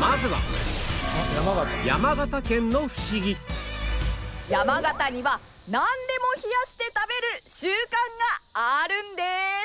まずは山形にはなんでも冷やして食べる習慣があるんです。